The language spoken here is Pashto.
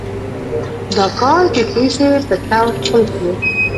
دا کار د پيشې پۀ طور خپل کړو